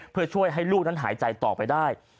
เพื่อช่วยให้ลูกนั้นหายใจต่อไปได้